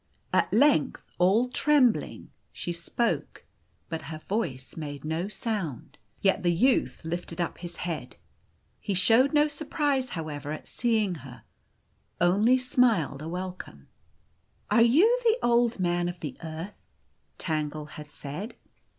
At length, all trembling, she spoke. But her voice made no sound. Yet the youth lifted up his head. He showed no surprise, however, at seeing her only smiled a welcome. " Are you the Old Man of the Earth ?" Tangle had said.